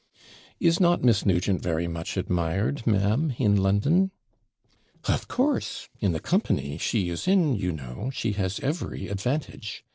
'Is not Miss Nugent very much admired, ma'am, in London?' 'Of course in the company she is in, you know, she has every advantage.